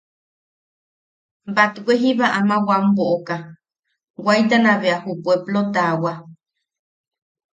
Batwe jiba ama wam boʼoka, waitana bea ju puepplo taawa.